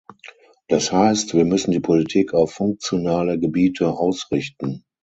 Das heißt, wir müssen die Politik auf funktionale Gebiete ausrichten.